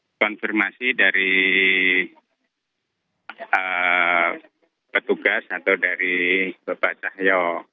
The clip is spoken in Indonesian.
ini konfirmasi dari petugas atau dari bapak cahyo